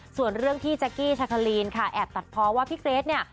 ส่วนเรื่องที่แจ๊กกี้ชาคาลีนค่ะแอบตัดเพราะว่าพี่เกรทเนี่ย